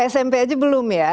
smp aja belum ya